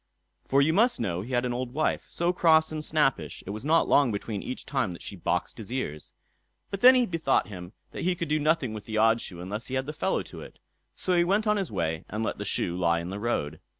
For you must know he had an old wife, so cross and snappish, it was not long between each time that she boxed his ears. But then he bethought him that he could do nothing with the odd shoe unless he had the fellow to it; so he went on his way and let the shoe lie on the road.